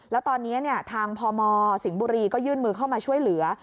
แล้วตอนนี้ทางพมสิงห์บุรีก็ยื่นมือเข้ามาช่วยเหลือ